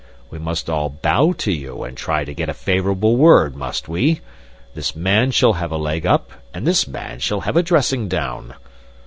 We must all bow to you, and try to get a favorable word, must we? This man shall have a leg up, and this man shall have a dressing down!